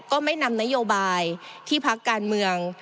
ก็ไม่นำนโยบายที่พักการเมือง